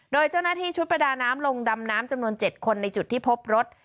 โดยเจ้าหน้าที่ชุดประดาน้ำลงดำน้ำจำนวน๗คนในจุดที่พบรถ